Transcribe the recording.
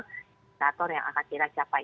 stator yang akan tercapai